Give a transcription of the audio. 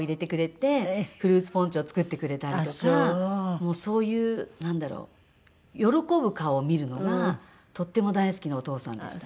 もうそういうなんだろう喜ぶ顔を見るのがとっても大好きなお父さんでした。